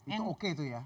itu oke itu ya